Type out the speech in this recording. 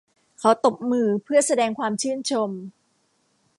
เขาตบมือเพื่อแสดงความชื่นชม